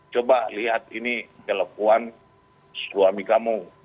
coba lihat ini kelekuan suami kamu